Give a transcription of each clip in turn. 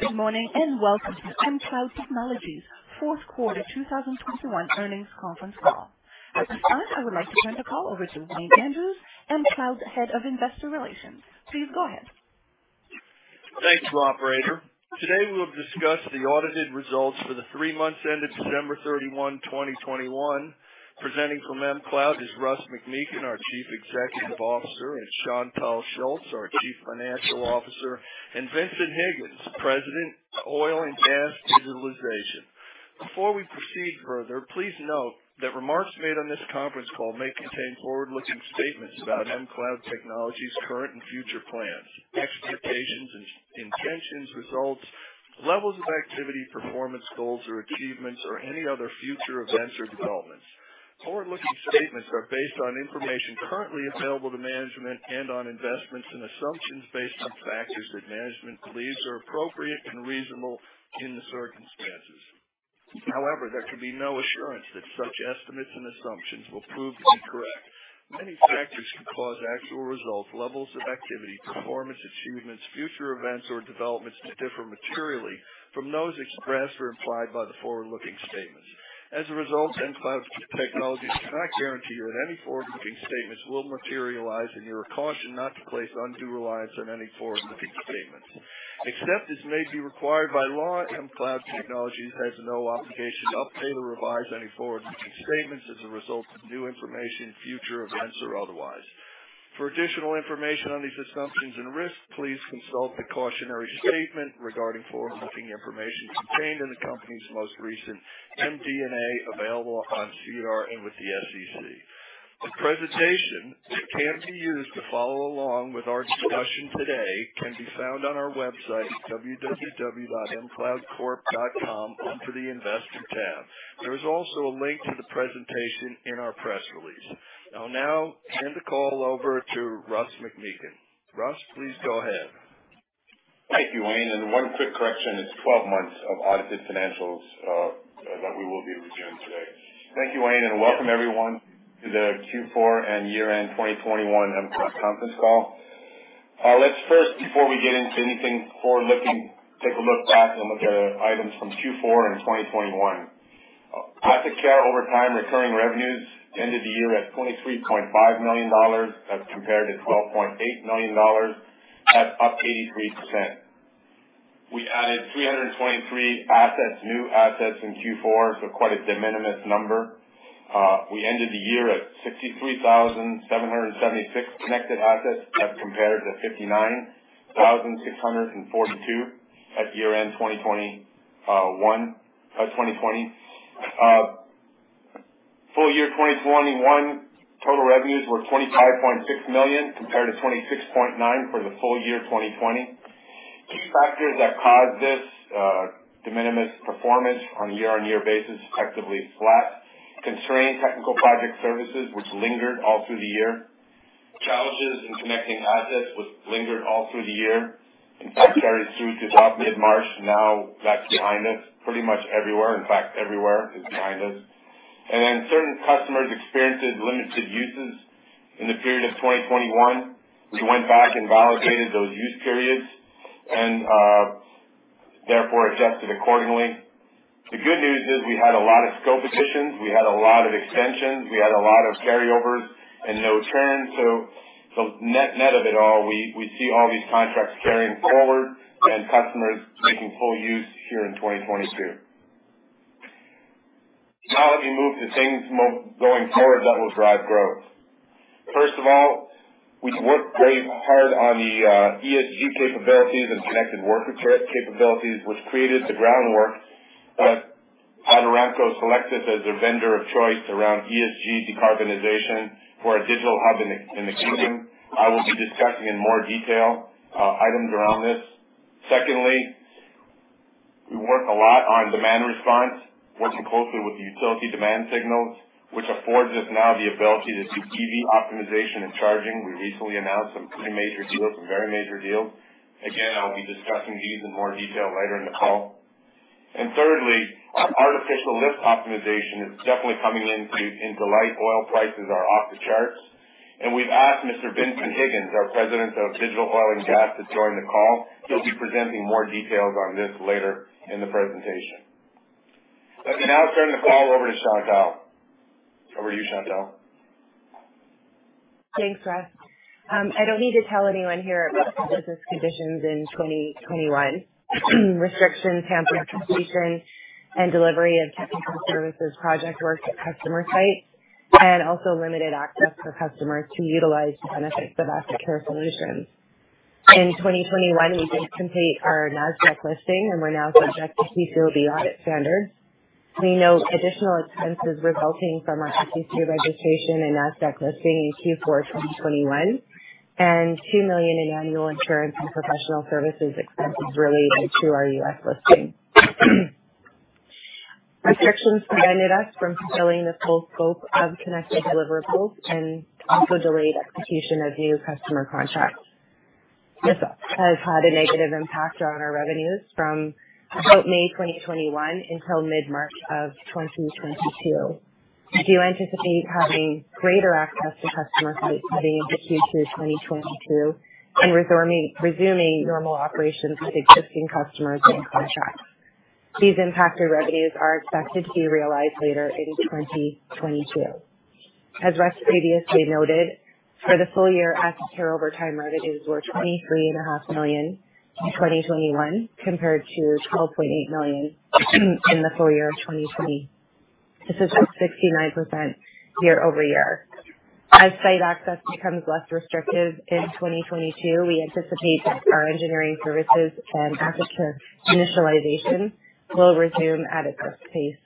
Good morning, and welcome to mCloud Technologies' fourth quarter 2021 earnings conference call. With that, I would like to turn the call over to Wayne Andrews, mCloud's Head of Investor Relations. Please go ahead. Thanks, operator. Today, we'll discuss the audited results for the three months ended December 31, 2021. Presenting from mCloud is Russ McMeekin, our Chief Executive Officer, and Chantal Schutz, our Chief Financial Officer, and Vincent Higgins, President, Oil and Gas Digitization. Before we proceed further, please note that remarks made on this conference call may contain forward-looking statements about mCloud Technologies' current and future plans, expectations, intentions, results, levels of activity, performance goals or achievements or any other future events or developments. Forward-looking statements are based on information currently available to management and on investments and assumptions based on factors that management believes are appropriate and reasonable in the circumstances. However, there can be no assurance that such estimates and assumptions will prove to be correct. Many factors could cause actual results, levels of activity, performance achievements, future events or developments to differ materially from those expressed or implied by the forward-looking statements. As a result, mCloud Technologies cannot guarantee you that any forward-looking statements will materialize, and you are cautioned not to place undue reliance on any forward-looking statements. Except as may be required by law, mCloud Technologies has no obligation to update or revise any forward-looking statements as a result of new information, future events or otherwise. For additional information on these assumptions and risks, please consult the cautionary statement regarding forward-looking information contained in the company's most recent MD&A available on SEDAR and with the SEC. The presentation that can be used to follow along with our discussion today can be found on our website, www.mcloudcorp.com, under the Investor tab. There is also a link to the presentation in our press release. I'll now hand the call over to Russ McMeekin. Russ, please go ahead. Thank you, Wayne. One quick correction, it's 12 months of audited financials that we will be reviewing today. Thank you, Wayne, and welcome everyone to the Q4 and year-end 2021 mCloud conference call. Let's first, before we get into anything forward-looking, take a look back and look at items from Q4 and 2021. AssetCare over time, recurring revenues ended the year at 23.5 million dollars as compared to 12.8 million dollars. That's up 83%. We added 323 assets, new assets in Q4, so quite a de minimis number. We ended the year at 63,776 connected assets as compared to 59,642 at year-end 2020. Full year 2021, total revenues were 25.6 million compared to 26.9 million for the full year 2020. Key factors that caused this de minimis performance on a year-over-year basis, effectively flat. Constrained technical project services, which lingered all through the year. Challenges in connecting assets were lingering all through the year. In fact, it lasted through to about mid-March, now that's behind us pretty much everywhere. In fact, everywhere is behind us. Certain customers experienced limited usage in the period of 2021. We went back and validated those use periods and therefore adjusted accordingly. The good news is we had a lot of scope additions, we had a lot of extensions, we had a lot of carryovers and no churn. Net of it all, we see all these contracts carrying forward and customers making full use here in 2022. Now let me move to things going forward that will drive growth. First of all, we've worked very hard on the ESG capabilities and connected worker capabilities, which created the groundwork that Aramco selected as their vendor of choice around ESG decarbonization for a digital hub in the Kingdom. I will be discussing in more detail items around this. Secondly, we work a lot on demand response, working closely with the utility demand signals, which affords us now the ability to do EV optimization and charging. We recently announced some pretty major deals, some very major deals. Again, I'll be discussing these in more detail later in the call. Thirdly, artificial lift optimization is definitely coming into light. Oil prices are off the charts. We've asked Mr. Vincent Higgins, our President, Oil and Gas Digitization, to join the call. He'll be presenting more details on this later in the presentation. Let me now turn the call over to Chantal. Over to you, Chantal. Thanks, Russ. I don't need to tell anyone here about the business conditions in 2021. Restrictions hampered completion and delivery of technical services project work at customer sites, and also limited access for customers to utilize the benefits of AssetCare solutions. In 2021, we did complete our Nasdaq listing, and we're now subject to PCAOB, the audit standard. We note additional expenses resulting from our SEC registration and Nasdaq listing in Q4 2021, and 2 million in annual insurance and professional services expenses related to our U.S. listing. Restrictions prevented us from fulfilling the full scope of connected deliverables and also delayed execution of new customer contracts. This has had a negative impact on our revenues from about May 2021 until mid-March 2022. We do anticipate having greater access to customer sites starting Q2 2022 and resuming normal operations with existing customers and contracts. These impacted revenues are expected to be realized later in 2022. As Russ previously noted, for the full year, AssetCare over time revenues were 23.5 million in 2021 compared to 12.8 million in the full year of 2020. This is up 69% year-over-year. As site access becomes less restrictive in 2022, we anticipate that our engineering services and AssetCare initialization will resume at a fast pace.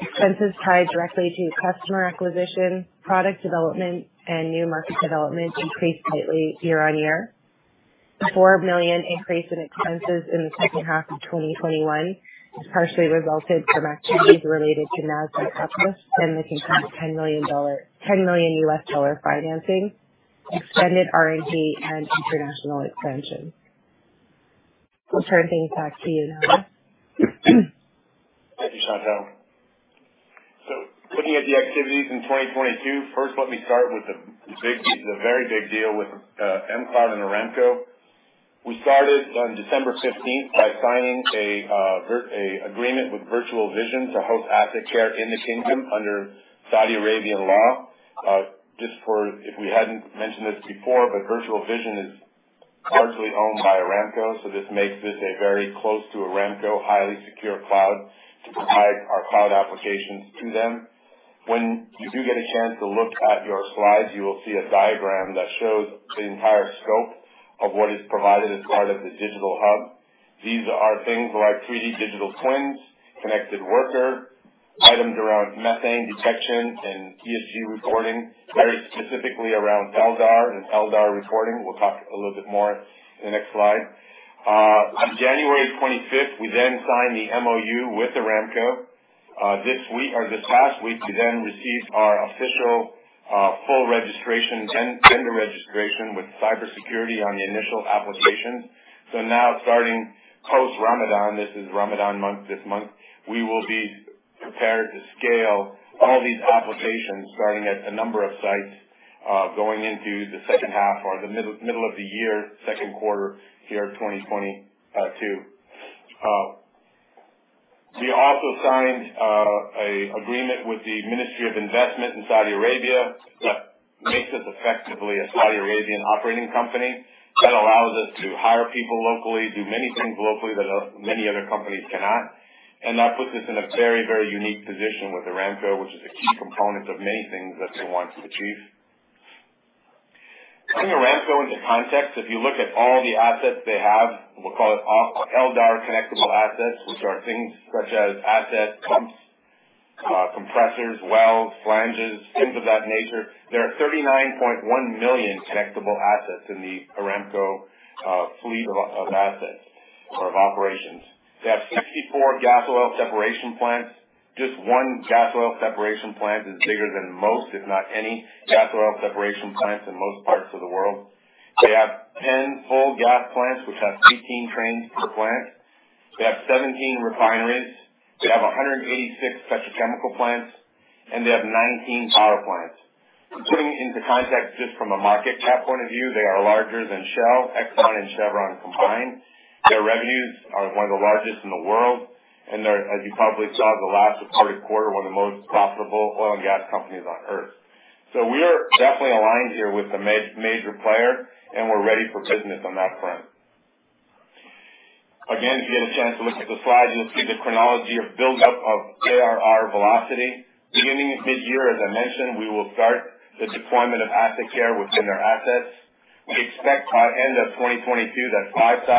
Expenses tied directly to customer acquisition, product development, and new market development increased slightly year-on-year. The 4 million increase in expenses in the second half of 2021 is partially resulted from activities related to Nasdaq checklist and the $10 million financing, extended R&D and international expansion. We'll turn things back to you now. Thank you, Chantal. Looking at the activities in 2022, first, let me start with the big piece, the very big deal with mCloud and Aramco. We started on December 15th by signing an agreement with Virtual Vision to host AssetCare in the Kingdom under Saudi Arabian law. Just if we hadn't mentioned this before, but Virtual Vision is largely owned by Aramco, so this makes this a very close to Aramco, highly secure cloud to provide our cloud applications to them. When you do get a chance to look at your slides, you will see a diagram that shows the entire scope of what is provided as part of the digital hub. These are things like 3D digital twins, connected worker, items around methane detection and ESG reporting, very specifically around LDAR and LDAR reporting. We'll talk a little bit more in the next slide. On January 25th, we then signed the MoU with Aramco. This week or this past week, we then received our official full registration and vendor registration with cybersecurity on the initial application. Now starting post-Ramadan, this is Ramadan month this month, we will be prepared to scale all these applications starting at a number of sites, going into the second half or the middle of the year, second quarter 2022. We also signed an agreement with the Ministry of Investment of Saudi Arabia that makes us effectively a Saudi Arabian operating company. That allows us to hire people locally, do many things locally that many other companies cannot. That puts us in a very, very unique position with Aramco, which is a key component of many things that they want to achieve. Putting Aramco into context, if you look at all the assets they have, we'll call it LDAR connectable assets, which are things such as asset pumps, compressors, wells, flanges, things of that nature. There are 39.1 million connectable assets in the Aramco fleet of assets or operations. They have 64 gas oil separation plants. Just one gas oil separation plant is bigger than most, if not any gas oil separation plants in most parts of the world. They have 10 full gas plants, which have 18 trains per plant. They have 17 refineries. They have 186 petrochemical plants, and they have 19 power plants. Putting into context, just from a market cap point of view, they are larger than Shell, Exxon and Chevron combined. Their revenues are one of the largest in the world, and they're, as you probably saw the last reported quarter, one of the most profitable oil and gas companies on Earth. We're definitely aligned here with a major player, and we're ready for business on that front. Again, if you get a chance to look at the slide, you'll see the chronology or build up of ARR velocity. Beginning mid-year, as I mentioned, we will start the deployment of AssetCare within their assets. We expect by end of 2022 that 5,000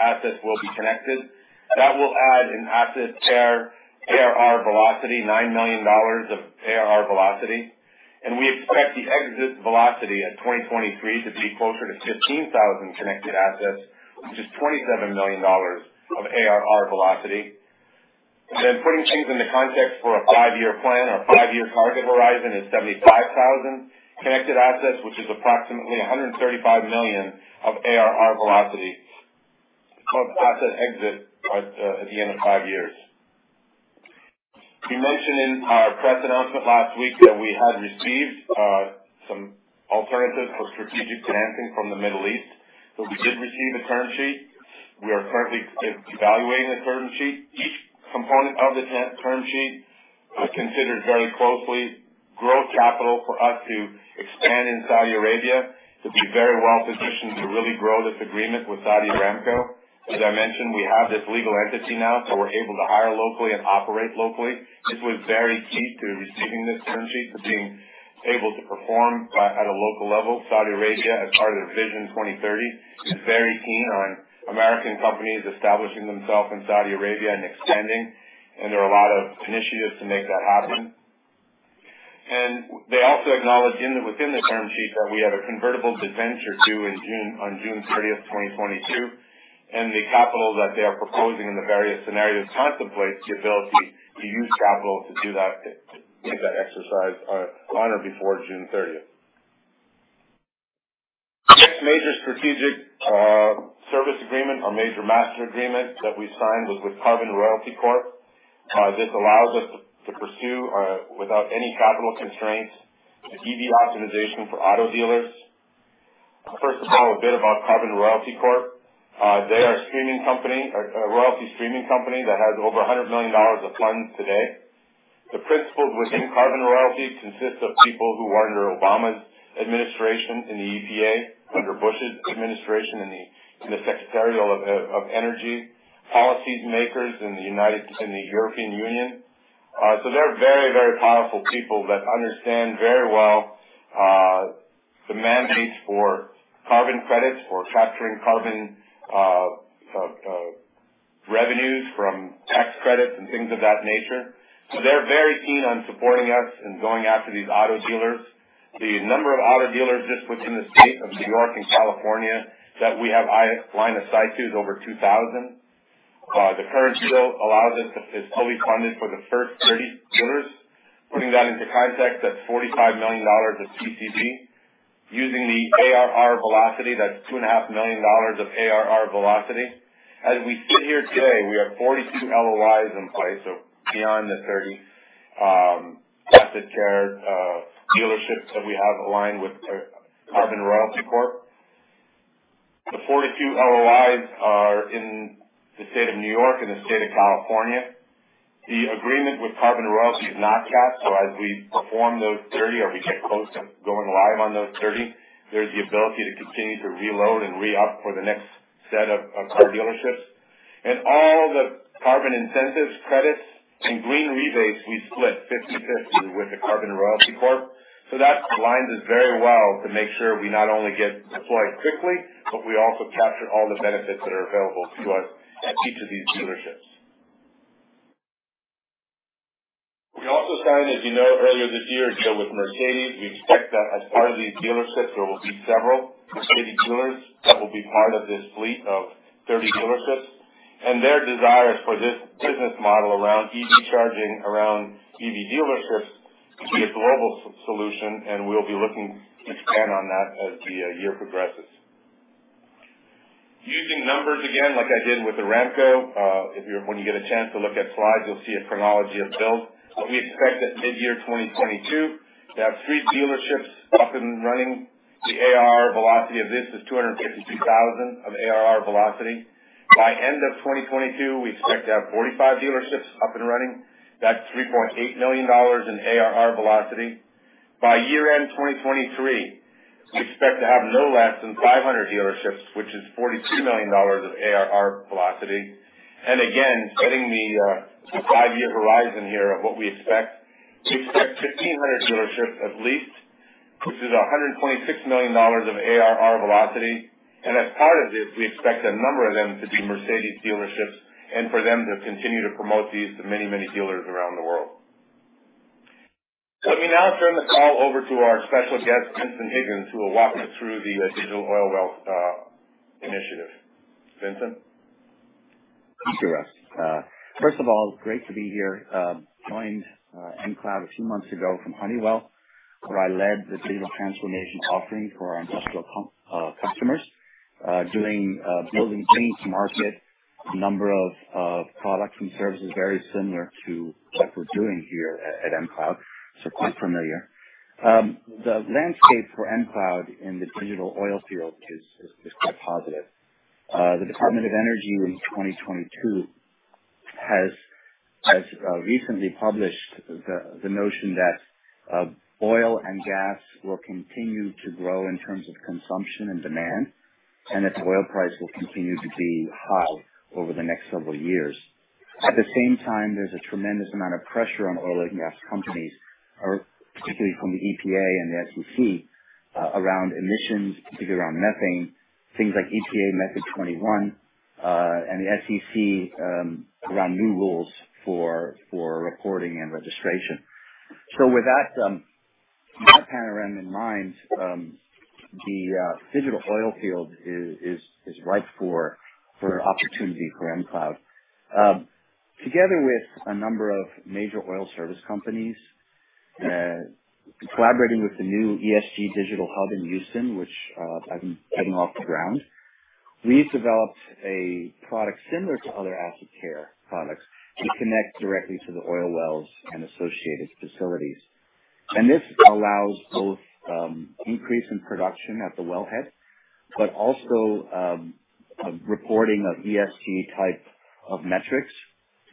assets will be connected. That will add an AssetCare ARR velocity, 9 million dollars of ARR velocity. We expect the exit velocity at 2023 to be closer to 15,000 connected assets, which is 27 million dollars of ARR velocity. Putting things into context for a five-year plan. Our five-year target horizon is 75,000 connected assets, which is approximately 135 million of ARR velocity of asset exit at the end of five years. We mentioned in our press announcement last week that we had received some alternatives for strategic financing from the Middle East. We did receive a term sheet. We are currently evaluating the term sheet. Each component of the term sheet is considered very closely. Growth capital for us to expand in Saudi Arabia to be very well positioned to really grow this agreement with Saudi Aramco. As I mentioned, we have this legal entity now, so we're able to hire locally and operate locally. This was very key to receiving this term sheet, to being able to perform at a local level. Saudi Arabia, as part of their Saudi Vision 2030, is very keen on American companies establishing themselves in Saudi Arabia and expanding. There are a lot of initiatives to make that happen. They also acknowledge within the term sheet that we have a convertible debenture due in June, on June 30, 2022. The capital that they are proposing in the various scenarios contemplates the ability to use capital to do that exercise on or before June 30th. Next major strategic service agreement or major master agreement that we signed was with Carbon Royalty Corp. This allows us to pursue without any capital constraints the EV optimization for auto dealers. First of all, a bit about Carbon Royalty Corp. They are a streaming company or a royalty streaming company that has over $100 million of funds today. The principals within Carbon Royalty consist of people who were under Obama's administration in the EPA, under Bush's administration in the Secretary of Energy, policymakers in the European Union. They are very powerful people that understand very well the mandates for carbon credits or capturing carbon, revenues from tax credits and things of that nature. They're very keen on supporting us in going after these auto dealers. The number of auto dealers just within the state of New York and California that we have line of sight to is over 2,000. The current deal is fully funded for the first 30 years. Putting that into context, that's 45 million dollars of TCV. Using the ARR velocity, that's 2.5 million dollars of ARR velocity. As we sit here today, we have 42 LOIs in place, so beyond the 30, asset shared, dealerships that we have aligned with Carbon Royalty Corp. The 42 LOIs are in the state of New York and the state of California. The agreement with Carbon Royalty is not capped, so as we perform those 30 dealerships or we get close to going live on those 30, there's the ability to continue to reload and re-up for the next set of car dealerships. All the carbon incentives, credits, and green rebates, we split 50/50 with the Carbon Royalty Corp. That aligns us very well to make sure we not only get deployed quickly, but we also capture all the benefits that are available to us at each of these dealerships. We also signed, as you know, earlier this year, a deal with Mercedes. We expect that as part of these dealerships, there will be several Mercedes dealers that will be part of this fleet of 30 dealerships. Their desire is for this business model around EV charging, around EV dealerships, to be a global solution, and we'll be looking to expand on that as the year progresses. Using numbers again, like I did with Aramco, when you get a chance to look at slides, you'll see a chronology of builds. We expect that mid-year 2022 to have three dealerships up and running. The ARR velocity of this is 252,000 of ARR velocity. By end of 2022, we expect to have 45 dealerships up and running. That's 3.8 million dollars in ARR velocity. By year-end 2023, we expect to have no less than 500 dealerships, which is 42 million dollars of ARR velocity. Again, setting the five-year horizon here of what we expect, we expect 1,500 dealerships at least, which is 126 million dollars of ARR velocity. As part of this, we expect a number of them to be Mercedes dealerships and for them to continue to promote these to many, many dealers around the world. Let me now turn the call over to our special guest, Vincent Higgins, who will walk us through the digital oil wells initiative. Vincent. Sure. First of all, it's great to be here. I joined mCloud a few months ago from Honeywell, where I led the digital transformation offering for our industrial pump customers, bringing things to market, a number of products and services very similar to what we're doing here at mCloud, so quite familiar. The landscape for mCloud in the digital oil field is quite positive. The Department of Energy in 2022 has recently published the notion that oil and gas will continue to grow in terms of consumption and demand, and that the oil price will continue to be high over the next several years. At the same time, there's a tremendous amount of pressure on oil and gas companies, particularly from the EPA and the SEC, around emissions, particularly around methane, things like EPA Method 21, and the SEC around new rules for reporting and registration. With that panorama in mind, the digital oil field is ripe for opportunity for mCloud. Together with a number of major oil service companies, collaborating with the new ESG digital hub in Houston, which I'm getting off the ground, we've developed a product similar to other AssetCare products to connect directly to the oil wells and associated facilities. This allows both increase in production at the wellhead, but also a reporting of ESG type of metrics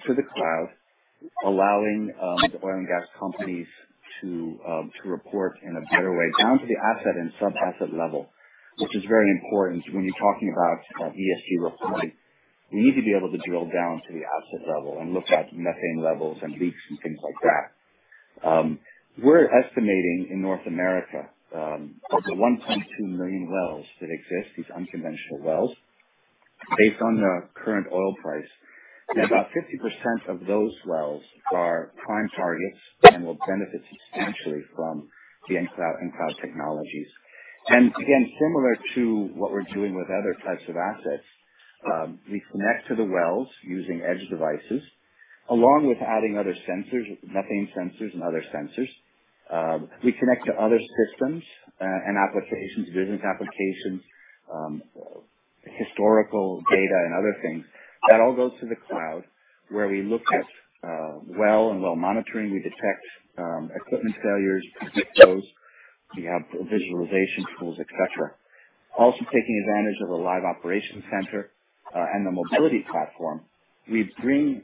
to the cloud, allowing the oil and gas companies to report in a better way down to the asset and sub-asset level, which is very important when you're talking about ESG reporting. We need to be able to drill down to the asset level and look at methane levels and leaks and things like that. We're estimating in North America of the 1.2 million wells that exist, these unconventional wells, based on the current oil price, that about 50% of those wells are prime targets and will benefit substantially from the mCloud Technologies. Again, similar to what we're doing with other types of assets, we connect to the wells using edge devices. Along with adding other sensors, methane sensors and other sensors, we connect to other systems, and applications, business applications, historical data and other things. That all goes to the cloud, where we look at well and well monitoring. We detect equipment failures, predict those. We have visualization tools, et cetera. Also, taking advantage of a live operation center, and the mobility platform, we bring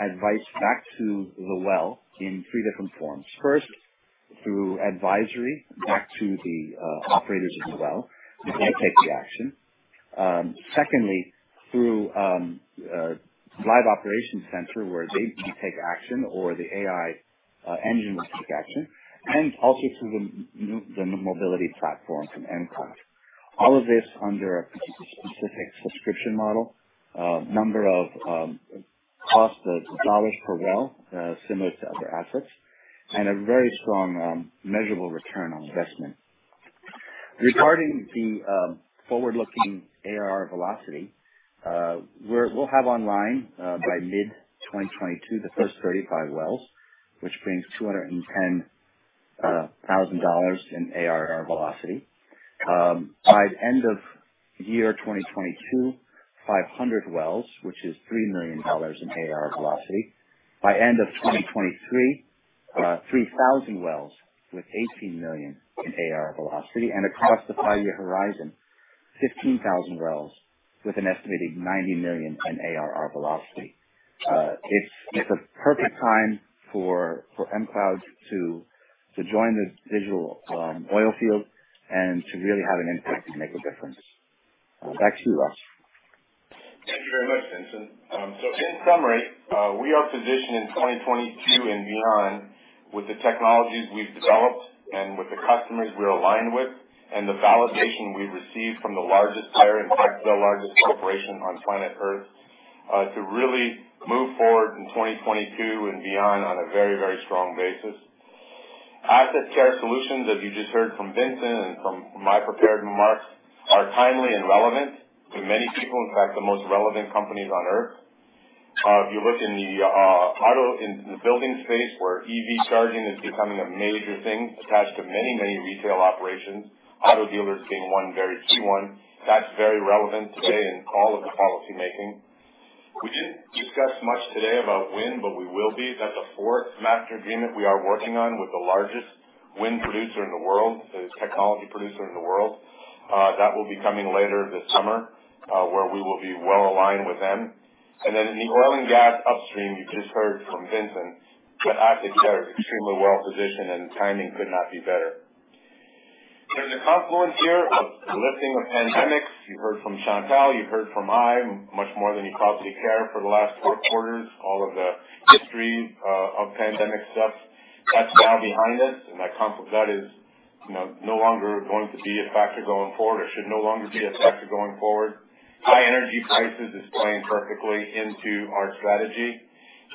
advice back to the well in three different forms. First, through advisory back to the operators of the well. They take the action. Secondly, through live operations center, where they can take action or the AI engine will take action. Also through the mobility platform from mCloud. All of this under a specific subscription model. Number of cost of dollars per well, similar to other assets, and a very strong measurable return on investment. Regarding the forward-looking ARR velocity, we'll have online by mid-2022 the first 35 wells, which brings 210,000 dollars in ARR velocity. By end of year 2022, 500 wells, which is 3 million dollars in ARR velocity. By end of 2023, 3,000 wells with 18 million in ARR velocity. Across the five-year horizon, 15,000 wells with an estimated 90 million in ARR velocity. It's a perfect time for mCloud to join the digital oil field and to really have an impact and make a difference. Back to you, Russ. Thank you very much, Vincent. In summary, we are positioned in 2022 and beyond with the technologies we've developed and with the customers we're aligned with and the validation we've received from the largest payer, in fact, the largest corporation on planet Earth, to really move forward in 2022 and beyond on a very, very strong basis. AssetCare solutions, as you just heard from Vincent and from my prepared remarks, are timely and relevant to many people, in fact, the most relevant companies on Earth. If you look in the auto and the building space, where EV charging is becoming a major thing attached to many, many retail operations, auto dealers being one very key one, that's very relevant today in all of the policy making. We didn't discuss much today about wind, but we will be. That's the fourth master agreement we are working on with the largest wind producer in the world, the technology producer in the world. That will be coming later this summer, where we will be well aligned with them. In the oil and gas upstream, you just heard from Vincent, the AssetCare is extremely well positioned and timing could not be better. There's a confluence here of lifting of pandemics. You heard from Chantal, you heard from me, much more than you probably care for the last four quarters, all of the history of pandemic stuff. That's now behind us, and that is, you know, no longer going to be a factor going forward or should no longer be a factor going forward. High energy prices is playing perfectly into our strategy.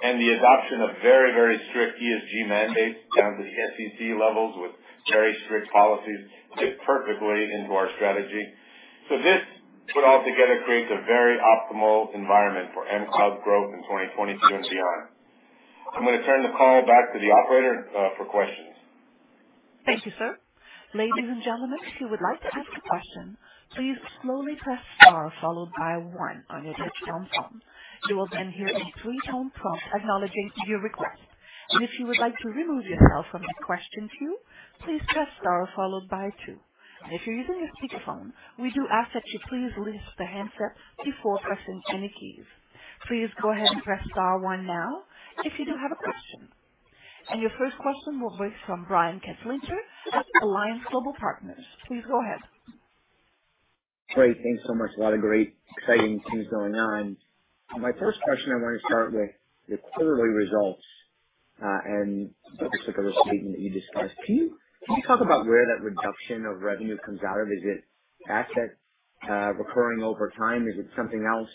The adoption of very, very strict ESG mandates down to the SEC levels with very strict policies fit perfectly into our strategy. This put all together creates a very optimal environment for mCloud's growth in 2022 and beyond. I'm gonna turn the call back to the operator, for questions. Thank you, sir. Ladies and gentlemen, if you would like to ask a question, please slowly press star followed by 1 on your touchtone phone. You will then hear a three-tone prompt acknowledging your request. If you would like to remove yourself from the question queue, please press star followed by two. If you're using a speakerphone, we do ask that you please lift the handset before pressing any keys. Please go ahead and press star one now if you do have a question. Your first question will be heard from Brian Kinstlinger with Alliance Global Partners. Please go ahead. Great. Thanks so much. A lot of great exciting things going on. My first question, I wanna start with the quarterly results, and the particular statement that you discussed. Can you talk about where that reduction of revenue comes out of? Is it asset recurring over time? Is it something else?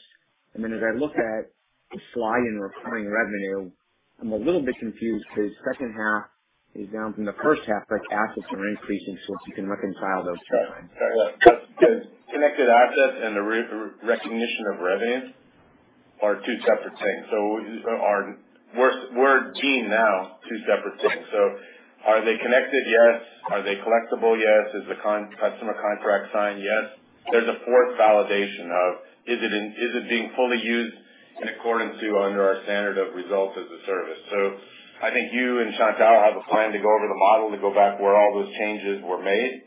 As I look at the slide in recurring revenue, I'm a little bit confused because second half is down from the first half, but assets are increasing, so if you can reconcile those two items. Sure. Yeah. Connected assets and the recognition of revenue are two separate things. We're seeing now two separate things. Are they connected? Yes. Are they collectible? Yes. Is the customer contract signed? Yes. There's a fourth validation of, is it being fully used in accordance with our standard of results as a service? I think you and Chantal have a plan to go over the model to go back where all those changes were made.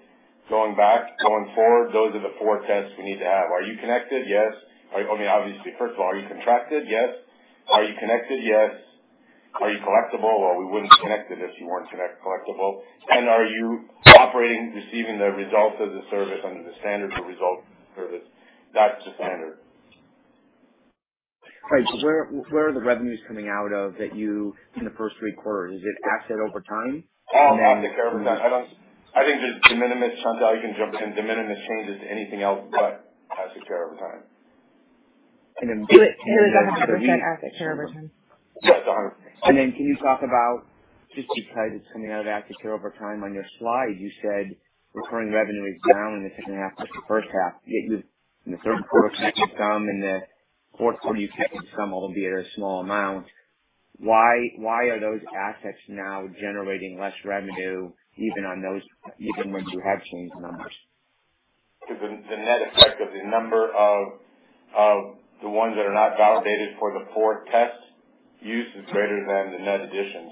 Going back, going forward, those are the four tests we need to have. Are you connected? Yes. I mean, obviously, first of all, are you contracted? Yes. Are you connected? Yes. Are you collectible? Well, we wouldn't connect it if you weren't collectible. Are you operating, receiving the results of the service under the standard of results as a service? That's the standard. Right. Where are the revenues coming out of that you in the first three quarters? Is it asset over time? All AssetCare over time. I think there's de minimis. Chantal, you can jump in. De minimis changes to anything else but AssetCare over time. And then- Do it 100% AssetCare over time. Yes, 100%. Can you talk about? Just because it's coming out of AssetCare over time on your slide, you said recurring revenue is down in the second half of the first half. In the third quarter, it's going to come, in the fourth quarter, you said it would come, albeit a small amount. Why are those assets now generating less revenue even when you have changed the numbers? Because the net effect of the number of the ones that are not validated for the fourth test use is greater than the net addition.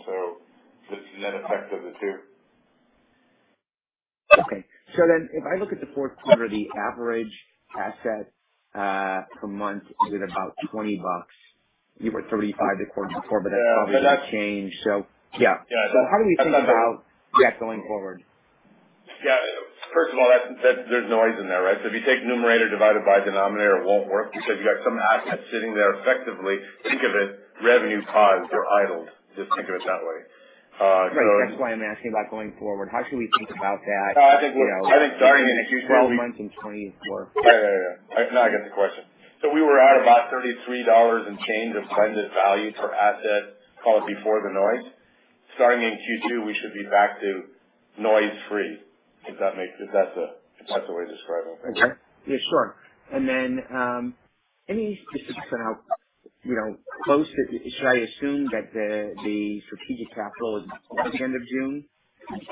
The net effect of the two. Okay. If I look at the fourth quarter, the average asset per month is at about 20 bucks. You were at 35 the quarter before, but that's probably going to change. Yeah. Yeah. How do we think about that going forward? Yeah. First of all, there's noise in there, right? If you take numerator divided by denominator, it won't work because you have some assets sitting there effectively. Think of it revenue paused. They're idled. Just think of it that way. Right. That's why I'm asking about going forward. How should we think about that? I think starting in the future. 12 months and 24 months. Yeah. No, I get the question. We were at about 33 dollars and change of blended value per asset, call it before the noise. Starting in Q2, we should be back to noise free. If that makes sense. That's the way to describe it. Okay. Yeah, sure. Then, any specifics on how, you know, close to. Should I assume that the strategic capital is by the end of June?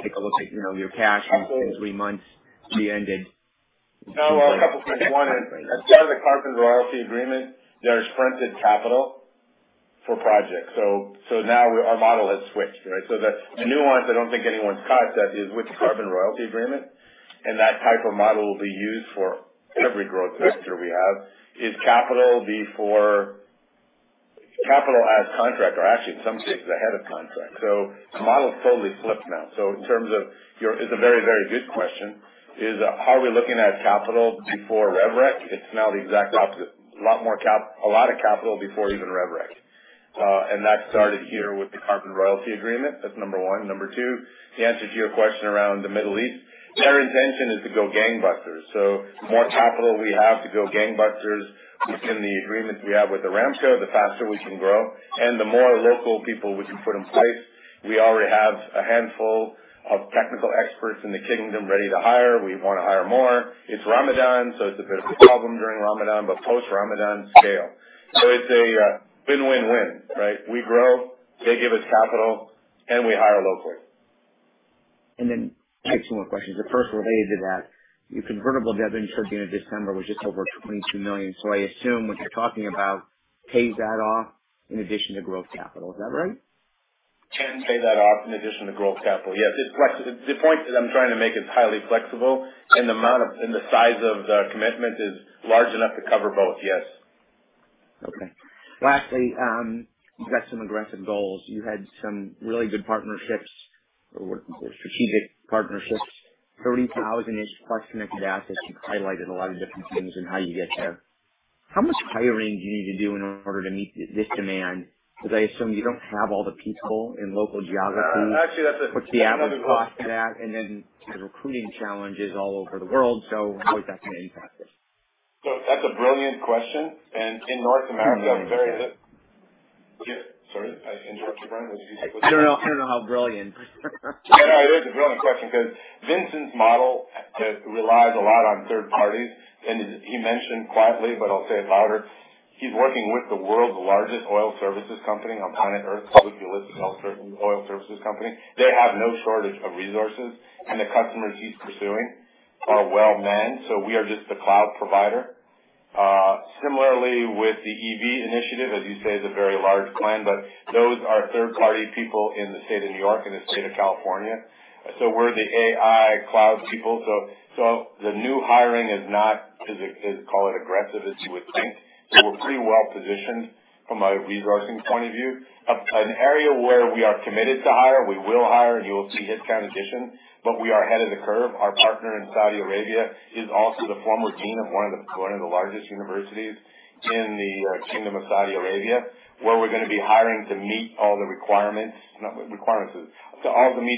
Take a look at, you know, your cash in three months to be ended. No. A couple things. One is, as part of the carbon royalty agreement, there's front-end capital for projects. Now our model has switched, right? The nuance I don't think anyone's caught yet is with the carbon royalty agreement, and that type of model will be used for every growth vector we have, is capital as contract or actually in some cases ahead of contract. The model is totally flipped now. In terms of your question. It's a very, very good question is, are we looking at capital before rev rec? It's now the exact opposite. A lot more capital before even rev rec. That started here with the carbon royalty agreement. That's number one. Number two, the answer to your question around the Middle East. Their intention is to go gangbusters. The more capital we have to go gangbusters in the agreements we have with Aramco, the faster we can grow and the more local people we can put in place. We already have a handful of technical experts in the kingdom ready to hire. We want to hire more. It's Ramadan, so it's a bit of a problem during Ramadan, but post-Ramadan scale. It's a win-win-win, right? We grow, they give us capital, and we hire locally. Two more questions. The first related to that. Your convertible debt ending September, December was just over 22 million. I assume what you're talking about pays that off in addition to growth capital. Is that right? Can pay that off in addition to growth capital, yes. It's the point that I'm trying to make, it's highly flexible and the size of the commitment is large enough to cover both, yes. Okay. Lastly, you've got some aggressive goals. You had some really good partnerships or strategic partnerships. 30,000-ish part-connected assets. You've highlighted a lot of different things in how you get there. How much hiring do you need to do in order to meet this demand? Because I assume you don't have all the people in local geographies. Actually, that's another good one. What's the average cost of that? Then there's recruiting challenges all over the world. How is that going to impact it? That's a brilliant question. In North America, it's very- Let me rephrase that. Yeah. Sorry, did I interrupt you, Brian? Did you say something? I don't know how brilliant. No, it is a brilliant question because Vincent's model relies a lot on third parties. He mentioned quietly, but I'll say it louder. He's working with the world's largest oil services company on planet Earth, public listed oil services company. They have no shortage of resources, and the customers he's pursuing are well managed. We are just the cloud provider. Similarly with the EV initiative, as you say, is a very large plan. Those are third-party people in the state of New York and the state of California. We're the AI cloud people. The new hiring is not to call it aggressive as you would think. We're pretty well positioned from a resourcing point of view. An area where we are committed to hire, we will hire and you will see headcount addition, but we are ahead of the curve. Our partner in Saudi Arabia is also the former dean of one of the largest universities in the Kingdom of Saudi Arabia, where we're gonna be hiring to meet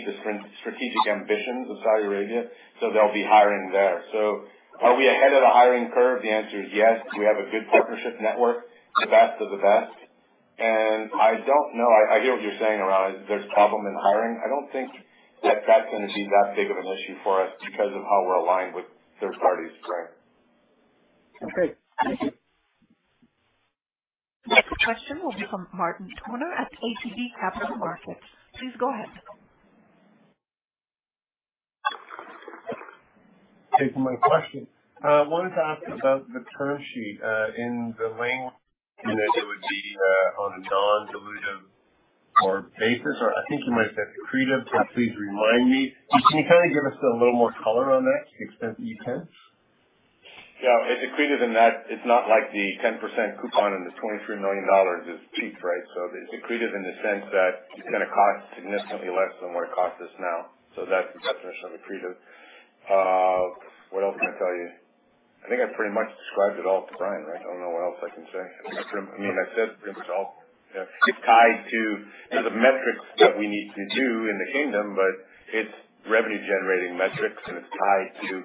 the strategic ambitions of Saudi Arabia. They'll be hiring there. Are we ahead of the hiring curve? The answer is yes. We have a good partnership network, the best of the best. I don't know. I hear what you're saying around, there's a problem in hiring. I don't think that's gonna be that big of an issue for us because of how we're aligned with third parties, Brian. Okay. Next question will be from Martin Toner at ATB Capital Markets. Please go ahead. Thank you for my question. I wanted to ask about the term sheet, in the language, and it would be, on a non-dilutive or basis, or I think you might have said accretive. Please remind me. Can you kind of give us a little more color on that, the extent that you can? Yeah. It's accretive in that it's not like the 10% coupon on this 23 million dollars is peaked, right? It's accretive in the sense that it's gonna cost significantly less than what it costs us now. That's the definition of accretive. What else can I tell you? I think I pretty much described it all to Brian, right? I don't know what else I can say. I mean, I said pretty much all. Yeah. It's tied to the metrics that we need to do in the kingdom, but it's revenue generating metrics, and it's tied to,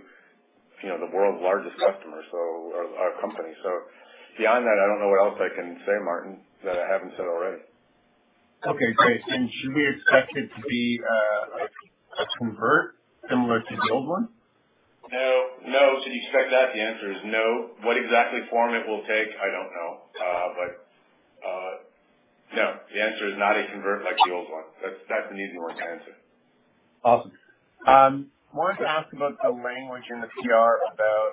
you know, the world's largest customer, so our company. Beyond that, I don't know what else I can say, Martin, that I haven't said already. Okay, great. Should we expect it to be a convert similar to the old one? No. Should you expect that? The answer is no. What exact form it will take, I don't know. But no, the answer is not a convertible like the old one. That's an easy and quick answer. Awesome. Martin asked about the language in the PR about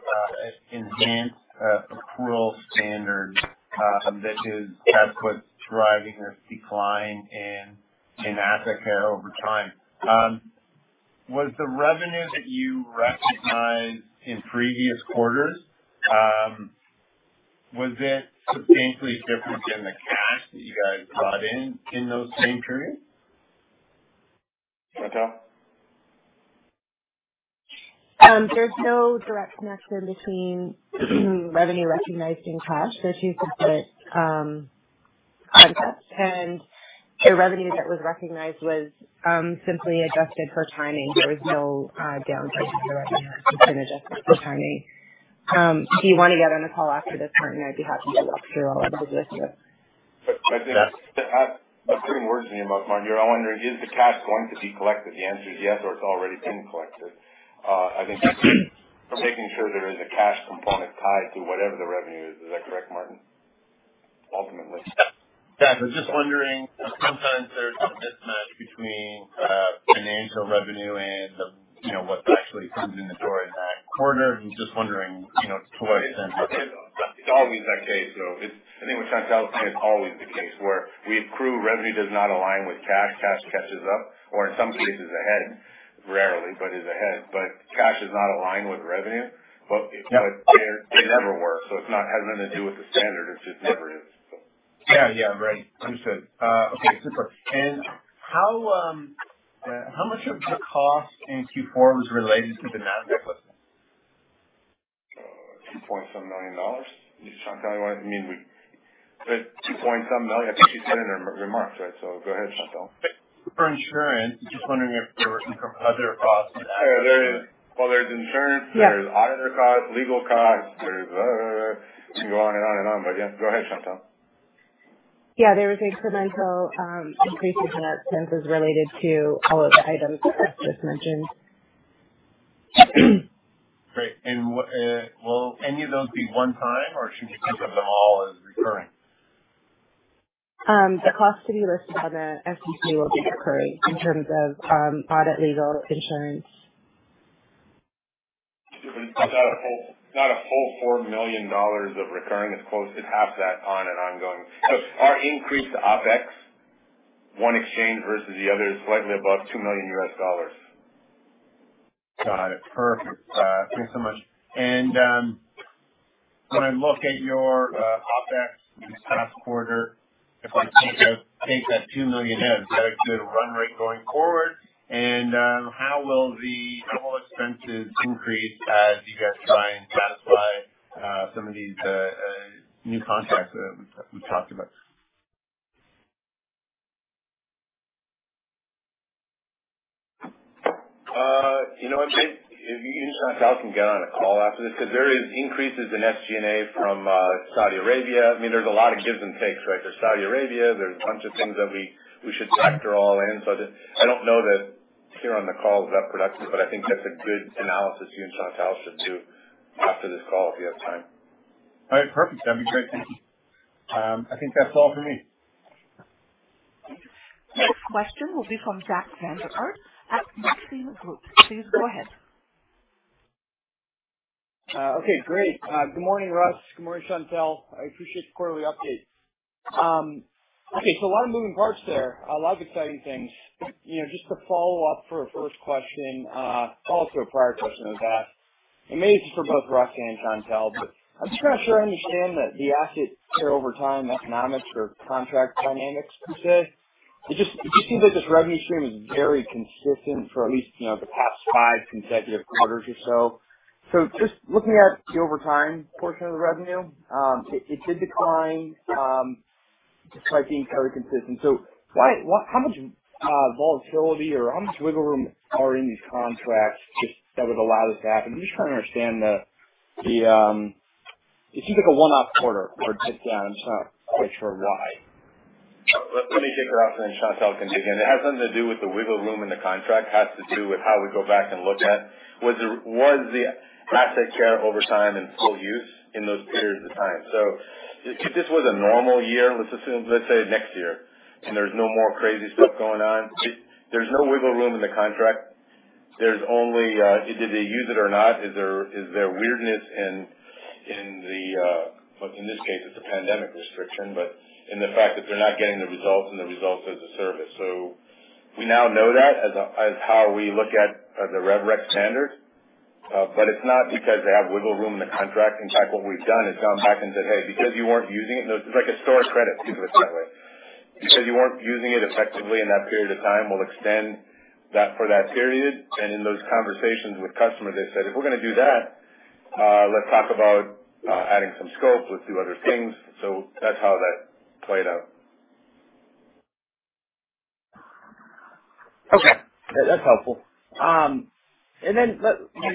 an enhanced accrual standard that is, has quote, "driving a decline in AssetCare over time." Was the revenue that you recognized in previous quarters substantially different than the cash that you guys brought in in those same periods? Chantal? There's no direct connection between revenue recognized in cash to which you could put on that. The revenue that was recognized was simply adjusted for timing. There was no downside to the revenue. It's been adjusted for timing. Do you wanna get on a call after this, Martin? I'd be happy to walk through all of the business. Yes. I'm putting words in your mouth, Martin. You're all wondering, is the cash going to be collected? The answer is yes, or it's already been collected. I think making sure there is a cash component tied to whatever the revenue is. Is that correct, Martin, ultimately? Yeah. Just wondering, sometimes there's a mismatch between financial revenue and the, you know, what actually comes in the door in that quarter. I'm just wondering, you know, to what extent- It's always that case. I think what Chantal is saying is always the case where we accrue revenue does not align with cash. Cash catches up or in some cases ahead, rarely, but is ahead. Cash is not aligned with revenue, but it never works. It's not, it has nothing to do with the standard. It's just never is. Yeah. Yeah. Right. Understood. Okay, super. How much of the cost in Q4 was related to the non-recurring? 2 point some million. I think she said it in her remarks, right? Go ahead, Chantal. For insurance. Just wondering if there were some other costs. Yeah, there is. Well, there's insurance. Yeah. There's auditor costs, legal costs. We can go on and on and on, but yeah. Go ahead, Chantal. Yeah. There was incremental increases in expenses related to all of the items that Russ just mentioned. Great. Will any of those be one time, or should we think of them all as recurring? The costs to be listed on the FTC will be recurring in terms of audit, legal, insurance. Not a whole 4 million dollars of recurring. It's close to half that on an ongoing. Our increased OpEX, one exchange versus the other, is slightly above $2 million. Got it. Perfect. Thanks so much. When I look at your OpEX this past quarter, if I take out that $2 million in, is that a good run rate going forward? How will the total expenses increase as you guys try and satisfy some of these new contracts that we talked about? You know what, Martin? You and Chantal can get on a call after this because there is increases in SG&A from Saudi Arabia. I mean, there's a lot of gives and takes, right? There's Saudi Arabia, there's a bunch of things that we should factor all in. I don't know that here on the call is that productive, but I think that's a good analysis you and Chantal should do after this call if you have time. All right. Perfect. That'd be great. Thank you. I think that's all for me. Next question will be from Jack Vander Aarde at Maxim Group. Please go ahead. Okay, great. Good morning, Russ. Good morning, Chantal. I appreciate the quarterly update. Okay. A lot of moving parts there, a lot of exciting things. You know, just to follow up for a first question, follow to a prior question that was asked. Maybe this is for both Russ and Chantal, but I'm just not sure I understand the AssetCare over time economics or contract dynamics, per se. It just seems like this revenue stream is very consistent for at least, you know, the past five consecutive quarters or so. Just looking at the over time portion of the revenue, it did decline despite being very consistent. Why, how much volatility or how much wiggle room are in these contracts just that would allow this to happen? I'm just trying to understand the. It seems like a one-off quarter or tick down. I'm just not quite sure why. Let me take a crack and Chantal can kick in. It has nothing to do with the wiggle room in the contract. It has to do with how we go back and look at the AssetCare over time and full use in those periods of time. If this was a normal year, let's say next year, and there's no more crazy stuff going on, there's no wiggle room in the contract. There's only did they use it or not? Is there weirdness in the well? In this case it's a pandemic restriction, but in the fact that they're not getting the results and the results as a service. We now know that as how we look at the rev rec standard, but it's not because they have wiggle room in the contract. In fact, what we've done is gone back and said, "Hey, because you weren't using it." You know, this is like a store credit, think of it that way. Because you weren't using it effectively in that period of time, we'll extend that for that period. In those conversations with customer, they said, "If we're gonna do that, let's talk about adding some scope. Let's do other things." That's how that played out. Okay. That's helpful. Maybe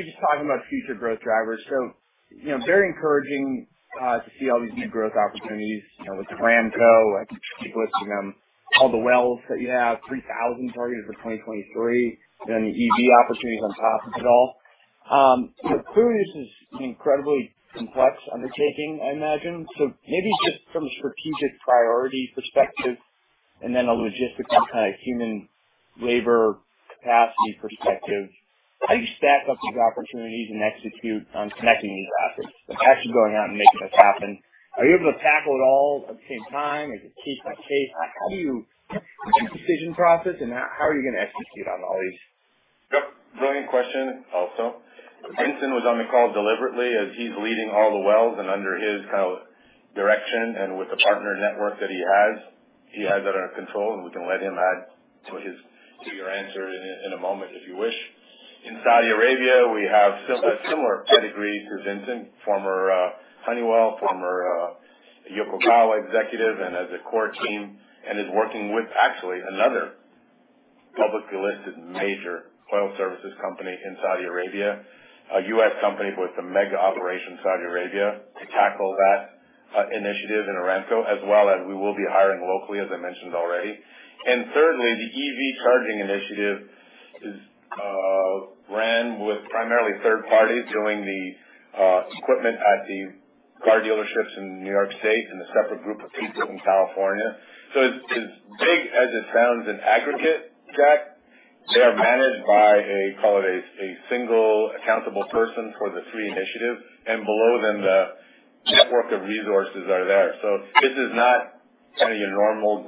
just talking about future growth drivers. You know, very encouraging to see all these new growth opportunities, you know, with Aramco, like you keep listing all the wells that you have, 3,000 targeted for 2023, then EV opportunities on top of it all. You know, clearly this is an incredibly complex undertaking I imagine. Maybe just from a strategic priority perspective and then a logistic and kind of human labor capacity perspective, how do you stack up these opportunities and execute on connecting these assets, like actually going out and making this happen? Are you able to tackle it all at the same time? Is it piece by piece? How do you, what's your decision process and how are you gonna execute on all these? Yep, brilliant question also. Vincent was on the call deliberately as he's leading all the wells and under his kind of direction and with the partner network that he has, he has it under control, and we can let him add to his, to your answer in a moment if you wish. In Saudi Arabia, we have similar pedigree through Vincent, former Honeywell, former Yokogawa executive, and has a core team and is working with actually another publicly listed major oil services company in Saudi Arabia, a U.S. company with a mega operation in Saudi Arabia to tackle that initiative in Aramco as well as we will be hiring locally as I mentioned already. Thirdly, the EV charging initiative is run with primarily third parties doing the equipment at the car dealerships in New York State and a separate group of people in California. As big as it sounds in aggregate, Jack, they are managed by, call it a single accountable person for the three initiatives, and below them the network of resources are there. This is not kind of your normal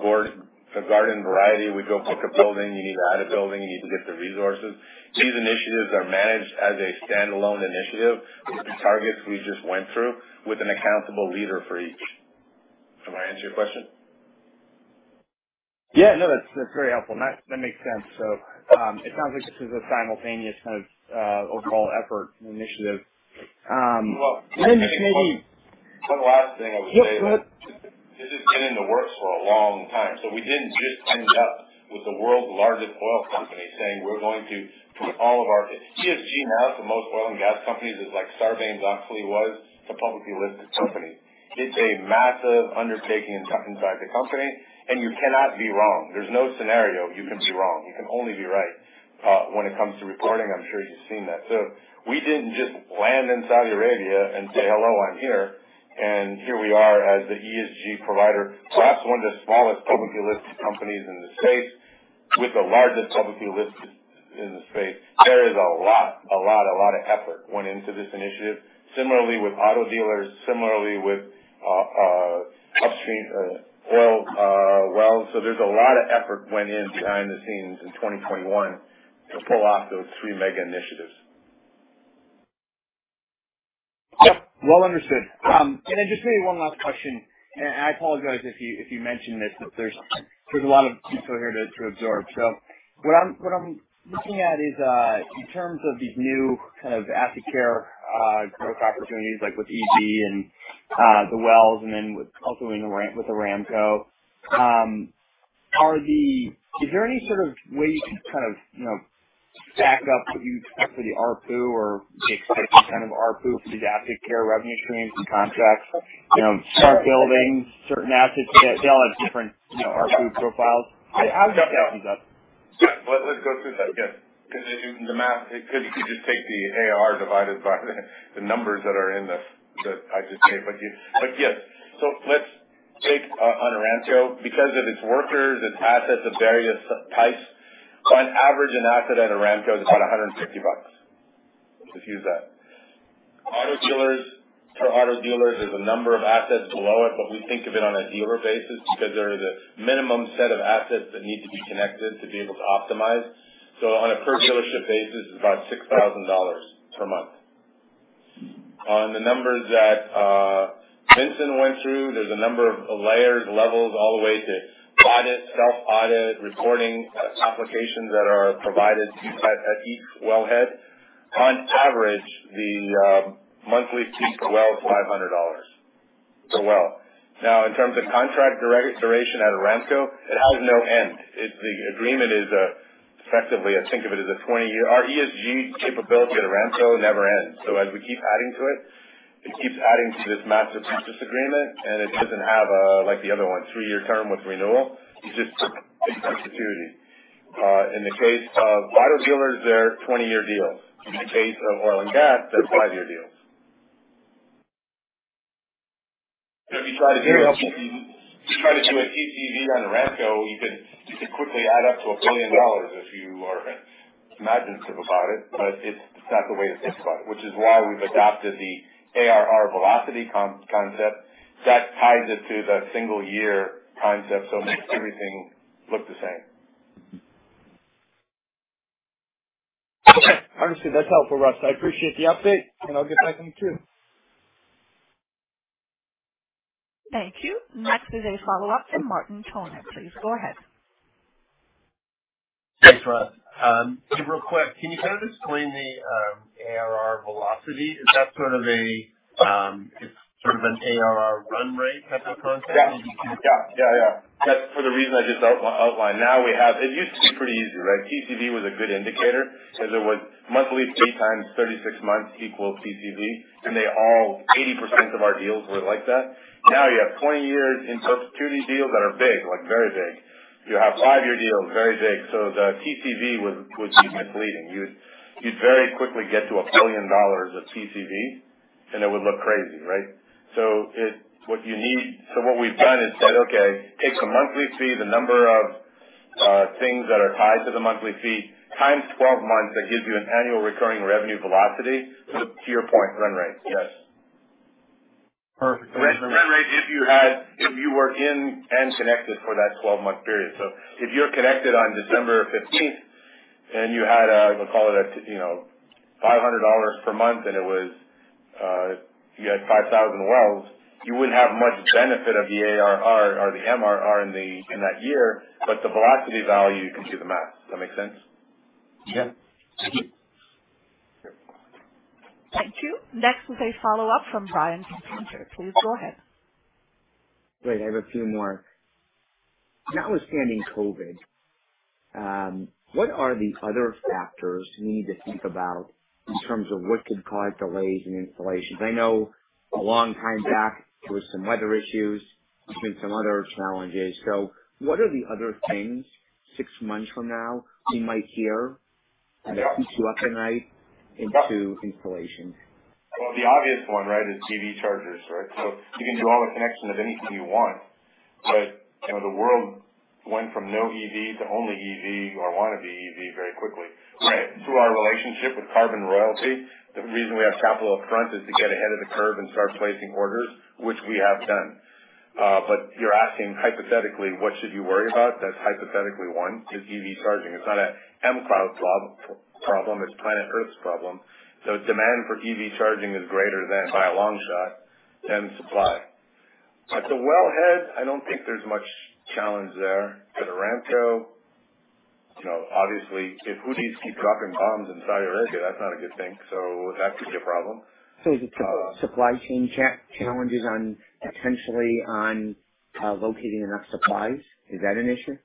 garden variety. We go book a building, you need to add a building, you need to get the resources. These initiatives are managed as a standalone initiative with the targets we just went through with an accountable leader for each. Did I answer your question? Yeah. No, that's very helpful. That makes sense. It sounds like this is a simultaneous kind of overall effort and initiative, then just maybe- One last thing I would say though. Yeah. Go ahead. This has been in the works for a long time, so we didn't just end up with the world's largest oil company saying, "We're going to put all of our..." ESG now for most oil and gas companies is like Sarbanes-Oxley was to publicly listed companies. It's a massive undertaking inside the company, and you cannot be wrong. There's no scenario you can be wrong. You can only be right when it comes to reporting. I'm sure you've seen that. We didn't just land in Saudi Arabia and say, "Hello, I'm here, and here we are as the ESG provider." Russ is one of the smallest publicly listed companies in the space with the largest publicly listed in the space. There is a lot of effort went into this initiative. Similarly with auto dealers, similarly with upstream oil wells. There's a lot of effort went in behind the scenes in 2021 to pull off those three mega initiatives. Well understood. Then just maybe one last question, and I apologize if you mentioned this, but there's a lot of info here to absorb. What I'm looking at is, in terms of these new kind of AssetCare growth opportunities, like with EV and the wells and then with also in Aramco, is there any sort of way you can kind of stack up what you expect for the ARPU or the expected kind of ARPU for these AssetCare revenue streams and contracts? You know, certain buildings, certain assets. They all have different, you know, ARPU profiles. How would you stack these up? Yeah. Let's go through that. Yes. Because the math. You could just take the AR divided by the numbers that I just gave. Yes. Let's take on Aramco. Because of its workers, its assets of various types, on average, an asset at Aramco is about 150 bucks. Let's use that. Auto dealers. Per auto dealer, there's a number of assets below it, but we think of it on a dealer basis because there is a minimum set of assets that need to be connected to be able to optimize. On a per dealership basis, it's about 6,000 dollars per month. On the numbers that Vincent went through, there's a number of layers, levels, all the way to audit, self-audit, reporting, applications that are provided to type at each wellhead. On average, the monthly fee per well is 500 dollars per well. Now, in terms of contract duration at Aramco, it has no end. The agreement is effectively I think of it as a 20-year. Our ESG capability at Aramco never ends. As we keep adding to it keeps adding to this massive service agreement, and it doesn't have, like the other one, three-year term with renewal. It's just perpetuity. In the case of auto dealers, they're 20-year deals. In the case of oil and gas, they're five-year deals. If you try to do. Very helpful. If you try to do a TCV on Aramco, you can quickly add up to 1 billion dollars if you are imaginative about it, but it's not the way to think about it, which is why we've adopted the ARR velocity concept. That ties it to the single year concept, so it makes everything look the same. Understood. That's helpful, Russ. I appreciate the update, and I'll get back in the queue. Thank you. Next is a follow-up from Martin Toner, please go ahead. Thanks, Russ. Real quick, can you kind of explain the ARR velocity? Sort of an ARR run rate type of concept? That's for the reason I just outlined. It used to be pretty easy, right? TCV was a good indicator because it was monthly fee times 36 months equals TCV. 80% of our deals were like that. Now you have 20-year subscription deals that are big, like very big. You have five-year deals, very big. The TCV would be misleading. You'd very quickly get to 1 billion dollars of TCV, and it would look crazy, right? What we've done is said, "Okay, take the monthly fee, the number of things that are tied to the monthly fee, times 12 months, that gives you an annual recurring revenue velocity." To your point, run rate. Yes. Perfect. Run rate, if you had, if you were in and connected for that twelve-month period. If you're connected on December15th and you had, we'll call it a, you know, 500 dollars per month, and it was, you had 5,000 wells, you wouldn't have much benefit of the ARR or the MRR in the, in that year. The velocity value, you can do the math. Does that make sense? Yeah. Thank you. Sure. Thank you. Next is a follow-up from Brian Kinstlinger. Please go ahead. Great. I have a few more. Notwithstanding COVID, what are the other factors we need to think about in terms of what could cause delays in installations? I know a long time back, there was some weather issues. There's been some other challenges. What are the other things six months from now we might hear that keeps you up at night into installations? Well, the obvious one, right, is EV chargers, right? You can do all the connection of anything you want, but, you know, the world went from no EV to only EV or want to be EV very quickly. Right. Through our relationship with Carbon Royalty, the reason we have capital up front is to get ahead of the curve and start placing orders, which we have done. You're asking hypothetically, what should you worry about? That's hypothetically one is EV charging. It's not a mCloud problem, it's planet Earth's problem. Demand for EV charging is greater than, by a long shot, than supply. At the wellhead, I don't think there's much challenge there. Aramco, you know, obviously, if Saudis keep dropping bombs in Saudi Arabia, that's not a good thing. That could be a problem. Is it supply chain challenges on potentially locating enough supplies? Is that an issue?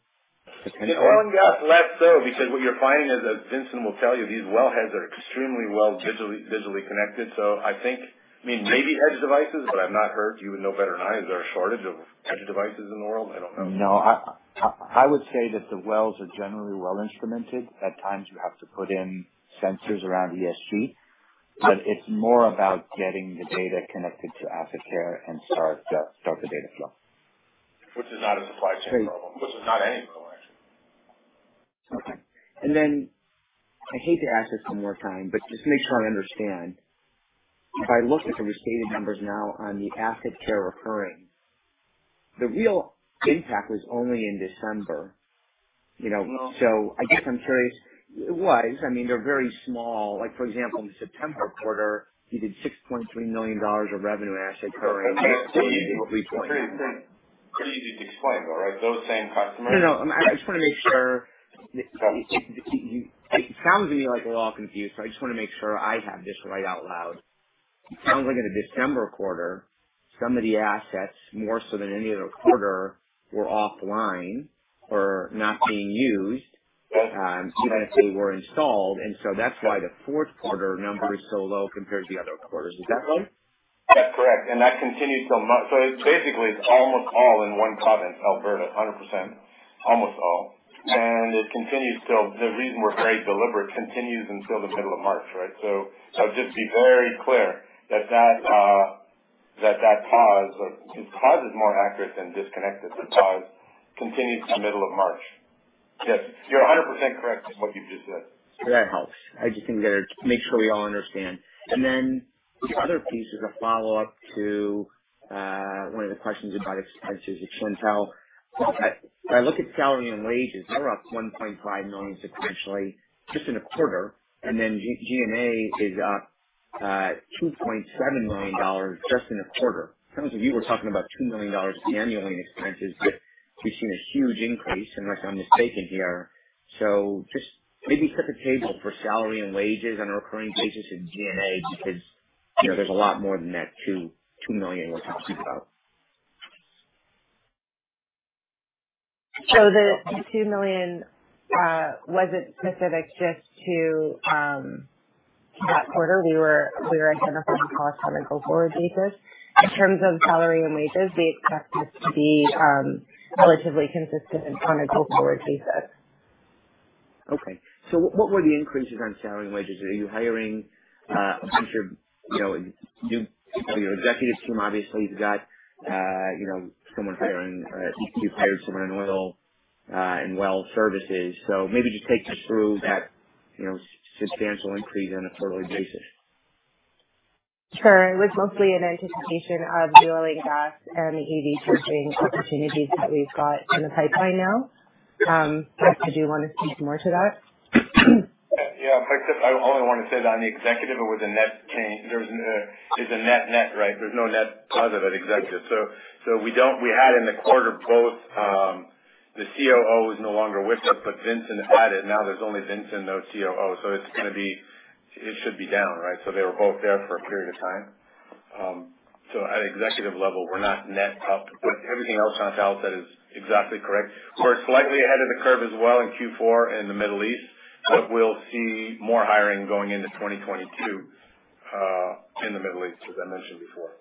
Potentially. In oil and gas, less so, because what you're finding is, as Vincent will tell you, these wellheads are extremely well digitally connected. I think, I mean, maybe edge devices, but I've not heard. You would know better than I. Is there a shortage of edge devices in the world? I don't know. No. I would say that the wells are generally well instrumented. At times you have to put in sensors around ESG, but it's more about getting the data connected to AssetCare and start the data flow. Which is not a supply chain problem. Which is not anything, actually. Okay. I hate to ask this one more time, but just to make sure I understand. If I look at the restated numbers now on the AssetCare recurring, the real impact was only in December. You know. No. I guess I'm curious. It was. I mean, they're very small. Like, for example, in the September quarter, you did 6.3 million dollars of revenue in AssetCare recurring. It's pretty easy to explain though, right? Those same customers- No, no. I'm, I just want to make sure. Okay. It sounds to me like we're all confused, so I just wanna make sure I have this right out loud. It sounds like in the December quarter, some of the assets, more so than any other quarter, were offline or not being used, even if they were installed. That's why the fourth quarter number is so low compared to the other quarters. Is that right? That's correct. That continues till March. It's basically, it's almost all in one province, Alberta. 100%. Almost all. It continues till. The reason we're very deliberate, continues until the middle of March, right? Just be very clear that that pause. Paused is more accurate than disconnected. Paused continues to middle of March. Yes, you're 100% correct in what you just said. That helps. I just think. Make sure we all understand. The other piece is a follow-up to one of the questions about expenses with Chantal. When I look at salary and wages, they're up 1.5 million sequentially just in a quarter. G&A is up 2.7 million dollars just in a quarter. It sounds like you were talking about $2 million annually in expenses, but we've seen a huge increase, unless I'm mistaken here. Just maybe set the table for salary and wages on a recurring basis in G&A, because, you know, there's a lot more than that $2 million you were talking about. The $2 million wasn't specific just to that quarter. We were identifying costs on a go-forward basis. In terms of salary and wages, we expect this to be relatively consistent on a go-forward basis. Okay. What were the increases on salary and wages? Are you hiring a bunch of, you know, new people? Your executive team, obviously you've got, you know, you've hired someone in oil, in oil services. Maybe just take us through that, you know, substantial increase on a quarterly basis. Sure. It was mostly in anticipation of drilling gas and the EV charging opportunities that we've got in the pipeline now. Russ did you want to speak more to that? Yeah. Like I said, I only want to say that on the executive it was a net change. It's a net-net, right? There's no net positive at executive. We don't. We had in the quarter both, the COO is no longer with us, but Vincent has it. Now there's only Vincent, no COO. It's gonna be down, right? It should be down, right? They were both there for a period of time. At executive level, we're not net up. Everything else Chantal said is exactly correct. We're slightly ahead of the curve as well in Q4 in the Middle East, but we'll see more hiring going into 2022 in the Middle East, as I mentioned before.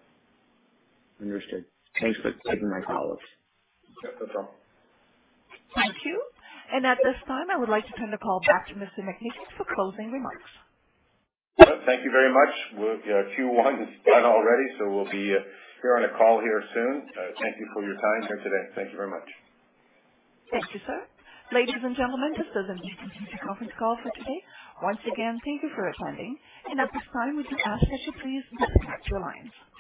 Understood. Thanks for taking my follow-up. Yeah, no problem. Thank you. At this time, I would like to turn the call back to Mr. McMeekin for closing remarks. Well, thank you very much. We're, you know, Q1 is done already, so we'll be on a call here soon. Thank you for your time here today. Thank you very much. Thank you, sir. Ladies and gentlemen, this does end your conference call for today. Once again, thank you for attending. At this time, we do ask that you please disconnect your lines.